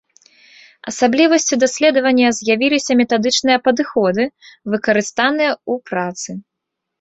Асаблівасцю даследавання з'явіліся метадычныя падыходы, выкарыстаныя ў працы.